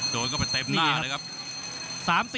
โดนเข้าไปเต็มหน้าเลยครับ